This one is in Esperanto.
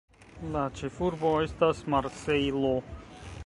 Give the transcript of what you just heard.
La ĉefurbo estas Marsejlo.